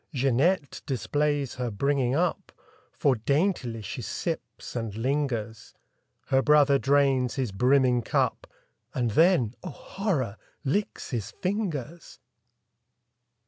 Jeanette displays her bringing up. For daintily she sips and lingers. Her brother drains his brimming cup. And then—oh, horror!—licks his fingers!